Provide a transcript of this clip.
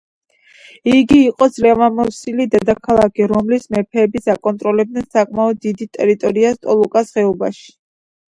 იგი იყო ძლევამოსილი დედაქალაქი, რომლის მეფეებიც აკონტროლებდნენ საკმაოდ დიდ ტერიტორიას ტოლუკას ხეობაში.